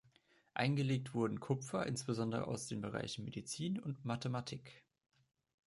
Eingelegt wurden Kupfer insbesondere aus den Bereichen Medizin und Mathematik.